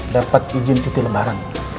dapat izin titik lebaran